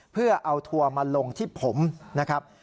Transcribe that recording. เพื่อเอาทัวร์มาลงที่ผมนะครับ